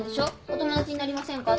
「お友達になりませんか？」